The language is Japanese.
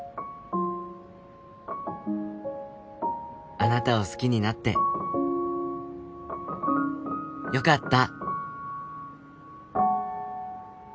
あなたを好きになってよかった